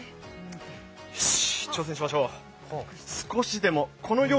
挑戦しましょう。